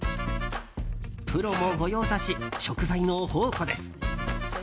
プロも御用達、食材の宝庫です。